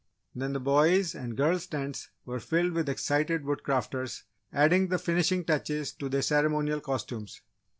Then, the boys' and girls' tents were filled with excited Woodcrafters adding the finishing touches to their ceremonial costumes.